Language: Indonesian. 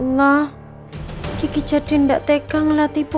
rina kita ke kamar dulu karena oma lagi ada tamu